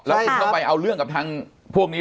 แล้วคุณต้องไปเอาเรื่องกับทางพวกนี้